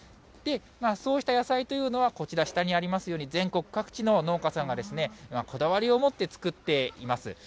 そうした野菜というのは、こちら、下にありますように、全国各地の農家さんが、こだわりを持って作っています。